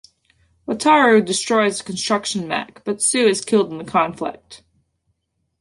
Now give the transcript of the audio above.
Wataru destroys the Construction Mech but Sue is killed in the conflict.